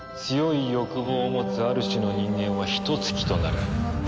強い欲望を持つある種の人間はヒトツ鬼となる。